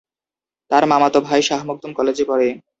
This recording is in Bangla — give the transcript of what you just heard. তার মামাতো ভাই শাহ মখদুম কলেজে পড়ে।